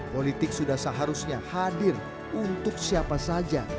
politik sudah seharusnya hadir untuk siapa saja